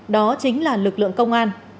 đó chính là lực lượng công an